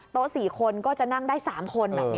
โต๊ะ๔คนก็จะนั่งได้๓คน